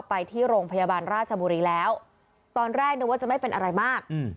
ไปที่โรงพยาบาลราชบุรีแล้วตอนแรกนึกว่าจะไม่เป็นอะไรมาก